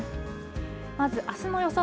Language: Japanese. まずあすの予想